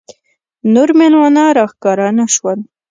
نور مېلمانه راښکاره نه شول.